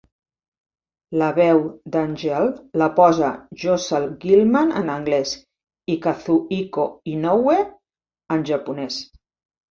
La veu d'Angeal la posa Josal Gilman en anglès, i Kazuhiko Inoue en japonès.